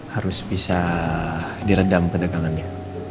harus bisa diredam kedekangannya